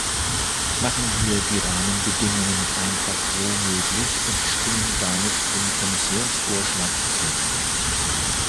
Machen wir die Rahmenbedingungen einfach so möglich und stimmen damit dem Kommissionsvorschlag zu!